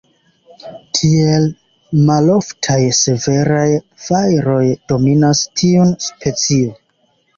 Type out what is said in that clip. Tiel, maloftaj severaj fajroj dominas tiun specio.